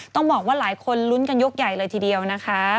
ต้องบอกว่าหลายคนลุ้นกันยกใหญ่เลยทีเดียวนะคะ